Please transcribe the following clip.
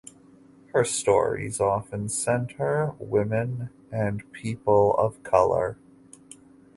Her stories often center women and people of color.